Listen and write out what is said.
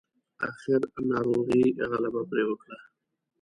اخير ناروغۍ غلبه پرې وکړه.